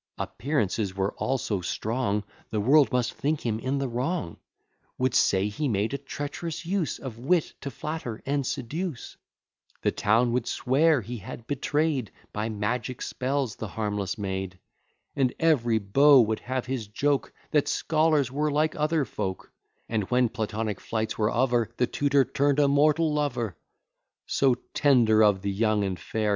Appearances were all so strong, The world must think him in the wrong; Would say, he made a treacherous use Of wit, to flatter and seduce; The town would swear, he had betray'd By magic spells the harmless maid: And every beau would have his joke, That scholars were like other folk; And, when Platonic flights were over, The tutor turn'd a mortal lover! So tender of the young and fair!